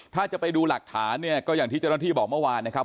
ถ้าจะไปดูหลักฐานเนี่ยก็อย่างที่เจ้าหน้าที่บอกเมื่อวานนะครับ